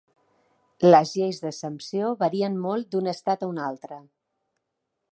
Les lleis d'exempció varien molt d'un estat a un altre.